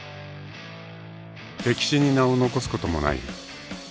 ［歴史に名を残すこともない］